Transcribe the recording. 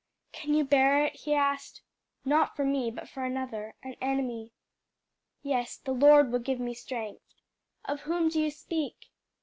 "Can you bear it?" he asked; "not for me, but for another an enemy." "Yes, the Lord will give me strength. Of whom do you speak?"